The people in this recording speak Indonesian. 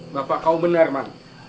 bapak kau benar man